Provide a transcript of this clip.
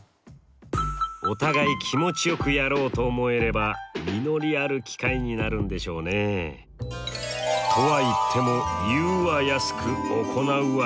お互い気持ちよくやろうと思えれば実りある機会になるんでしょうね。とは言っても「言うは易く行うは難し」。